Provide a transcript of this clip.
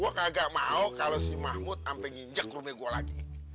gua kagak mau kalo si mahmud sampe nginjek ke rumah gua lagi